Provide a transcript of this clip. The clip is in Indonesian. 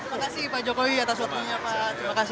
terima kasih pak jokowi atas waktunya pak terima kasih